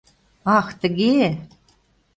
Ах, тыге?